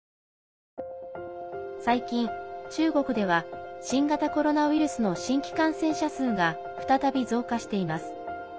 最近、中国では新型コロナウイルスの新規感染者数が再び増加しています。